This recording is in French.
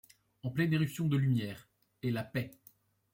En pleine éruption de lumière ; et la paix